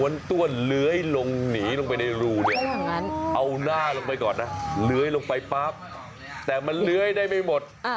เดี๋ยวไปก่อนนะเลื้อยลงไปปั๊บแต่มันเลื้อยได้ไม่หมด